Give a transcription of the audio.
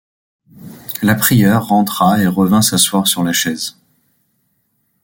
La prieure rentra et revint s’asseoir sur la chaise.